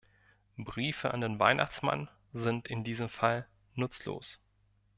Briefe an den Weihnachtsmann sind in diesem Fall nutzlos.